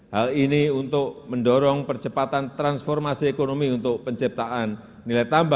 hal ini untuk mendorong percepatan transformasi ekonomi untuk penciptaan nilai tambah